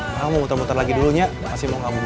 mau muter muter lagi dulunya masih mau ngaburit